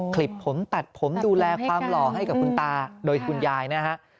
คลิปผมตัดผมดูแลความหล่อให้กับคุณตาโดยคุณยายนะฮะ